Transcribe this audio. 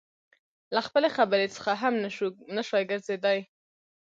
له خپلې خبرې څخه هم نشوى ګرځېدى.